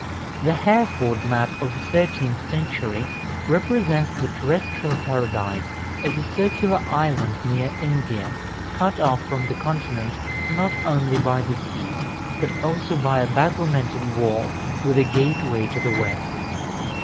The Hereford map of the thirteenth century represents the terrestrial Paradise as a circular island near India, cut off from the continent not only by the sea, but also by a battlemented wall, with a gateway to the west.